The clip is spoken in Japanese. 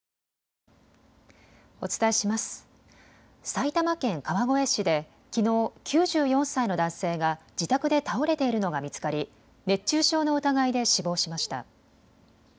埼玉県川越市できのう、９４歳の男性が自宅で倒れているのが見つかり熱中症の疑いで死亡しました。